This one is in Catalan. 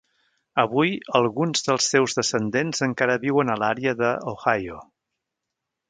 Avui, alguns dels seus descendents encara viuen a l'àrea d'Ohio.